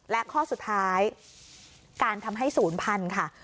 และข้อสุดท้ายการทำให้ศูนย์พันธุ์ค่ะ